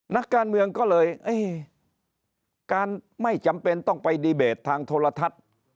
นักการเมืองก็เลยเอ๊ะการไม่จำเป็นต้องไปดีเบตทางโทรทัศน์